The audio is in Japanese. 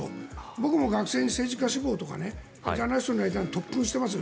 僕も学生に政治家志望とかジャーナリストになりたい人特訓してますよ。